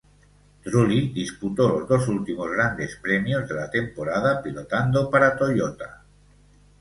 Trulli disputó los dos últimos grandes premios de la temporada pilotando para Toyota.